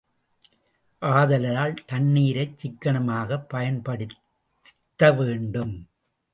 ஆதலால், தண்ணீரைச் சிக்கனமாகப் பயன்படுத்த வேண்டும்.